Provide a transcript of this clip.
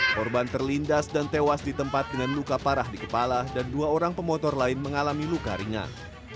korban terlindas dan tewas di tempat dengan luka parah di kepala dan dua orang pemotor lain mengalami luka ringan